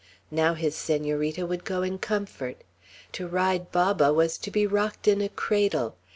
Now his Senorita would go in comfort. To ride Baba was to be rocked in a cradle.